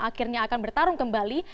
akhirnya akan bertarung kembali